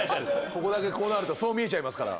ここだけこうなるとそう見えちゃいますから。